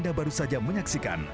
kepada penolong kesehatan